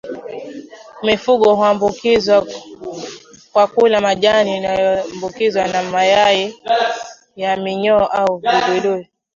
Mifugo huambukizwa kwa kula majani yaliyoambukizwa na mayai ya minyoo au viluilui